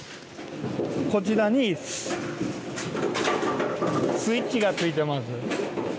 こちらにスイッチがついてます。